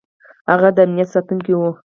هغه د امنیت ساتونکی و.